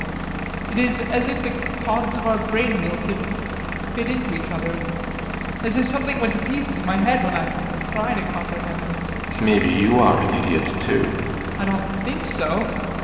It is as if the cogs of our brain wheels didn't fit into each other, and as if something went to pieces in my head when I try to comprehend her. GUSTAV. Maybe you are an idiot, too? ADOLPH. I don't THINK so!